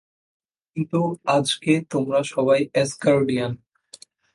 কিন্তু আজকে তোমরা সবাই অ্যাসগার্ডিয়ান।